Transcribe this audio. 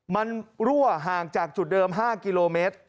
มันรั่วห่างจากจุดเดิม๕กิโลเมตร